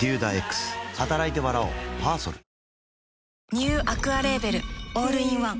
ニューアクアレーベルオールインワン